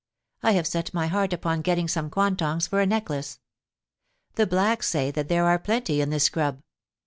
I have set my heart upon getting some quantongs for a neck lace. The blacks say that there are plenty in this scrub.